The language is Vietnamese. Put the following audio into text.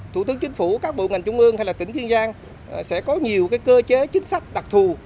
thủ tướng chính phủ các bộ ngành trung ương hay là tỉnh kiên giang sẽ có nhiều cơ chế chính sách đặc thù